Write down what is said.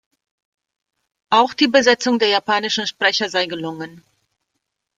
Auch die Besetzung der japanischen Sprecher sei gelungen.